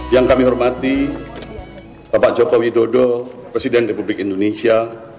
yang kami hormati bapak joko widodo presiden republik indonesia